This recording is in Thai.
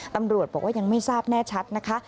ตำรวจบอกว่ายังไม่ทราบแน่ชัดนะคะ